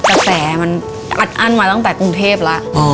กระแสมันอัดอั้นมาตั้งแต่กรุงเทพแล้ว